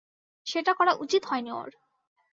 সেটা করা উচিৎ হয়নি ওর।